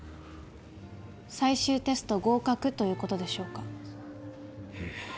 最終テスト合格ということでしょうか？